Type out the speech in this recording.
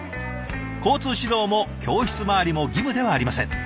交通指導も教室回りも義務ではありません。